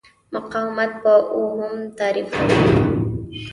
مقاومت په اوهم تعریفېږي.